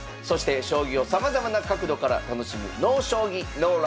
そして将棋をさまざまな角度から楽しむ「ＮＯ将棋ＮＯＬＩＦＥ」。